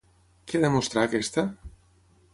Què ha de mostrar aquesta?